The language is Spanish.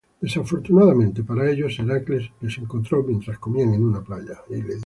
Desafortunadamente para ellos, Heracles les encontró mientras comían en una playa.